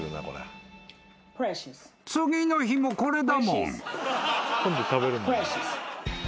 ［次の日もこれだもん］